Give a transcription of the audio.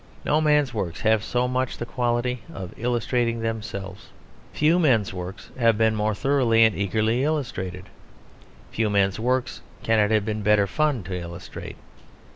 No man's works have so much the quality of illustrating themselves. Few men's works have been more thoroughly and eagerly illustrated; few men's works can it have been better fun to illustrate.